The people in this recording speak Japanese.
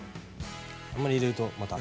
あんまり入れるとまた。